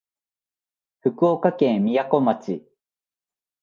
福岡県みやこ町